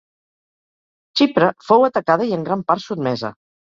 Xipre fou atacada i en gran part sotmesa.